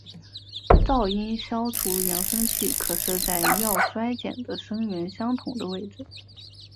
噪音消除扬声器可设在要衰减的声源相同的位置。